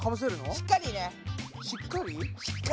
しっかり。